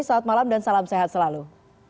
selamat malam dan salam sehat selalu